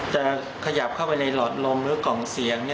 จะขยับเข้าไปในหลอดลมหรือกล่องเสียง